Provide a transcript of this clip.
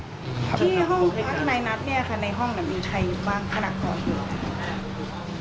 ที่นายนัดเนี่ยค่ะในห้องมีใครบ้างคณะกรอยู่